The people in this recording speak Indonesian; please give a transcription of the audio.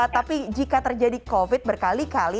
tapi jika terjadi covid berkali kali